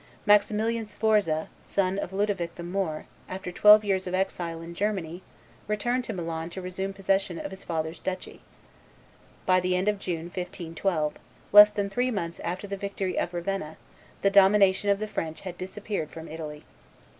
Maximilian Sforza, son of Ludovic the Moor, after twelve years of exile in Germany, returned to Milan to resume possession of his father's duchy. By the end of June, 1512, less than three months after the victory of Ravenna, the domination of the French had disappeared from Italy.